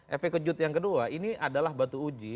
efek kejut yang kedua ini adalah batu uji